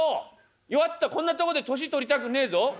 弱ったこんなとこで年取りたくねえぞ！